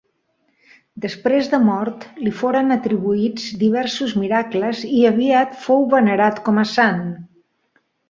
Després de mort li foren atribuïts diversos miracles i aviat fou venerat com a sant.